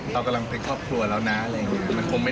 เรากำลังเป็นครอบครัวแล้วนะอะไรอย่างนี้